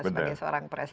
sebagai seorang prestir